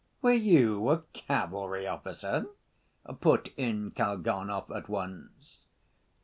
Were you a cavalry officer?" put in Kalganov at once.